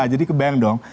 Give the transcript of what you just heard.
jadi kebayang dong